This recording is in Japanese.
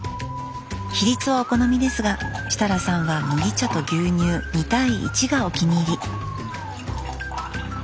比率はお好みですが設楽さんは麦茶と牛乳２対１がお気に入り。